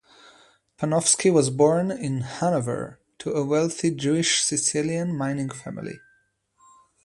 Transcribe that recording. Panofsky was born in Hannover to a wealthy Jewish Silesian mining family.